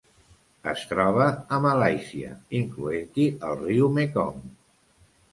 Es troba a Malàisia, incloent-hi el riu Mekong.